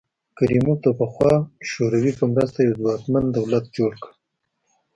کریموف د پخوا شوروي په مرسته یو ځواکمن دولت جوړ کړ.